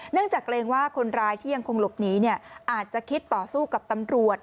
เนื่องจากเลว่าคนรายที่ยังคงหลบหนีเนี่ยอาจจะคิดต่อสู้กับตำรวจ